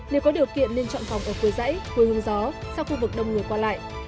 nếu có điều kiện nên chọn phòng ở cuối dãy cuối hương gió sang khu vực đông người qua lại